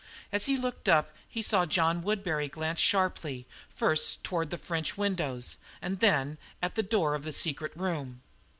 As he looked up he saw John Woodbury glance sharply, first toward the French windows and then at the door of the secret room.